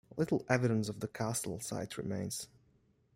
Little evidence of the castle site remains.